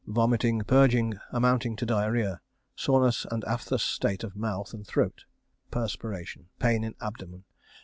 Vomiting, purging amounting to diarrhoea. Soreness and aphthous state of mouth and throat. Perspiration. Pain in abdomen.